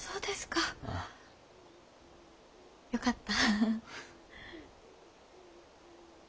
よかった。